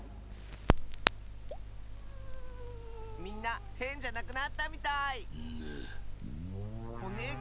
みんなヘンじゃなくなったみたい！ぬ。